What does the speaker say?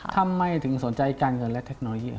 ทำไมถึงสนใจการเงินและเทคโนโลยี